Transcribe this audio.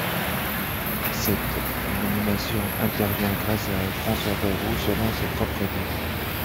Cette nomination intervient grâce à François Bayrou, selon ses propres dires.